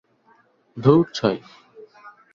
ধুর, ছাই।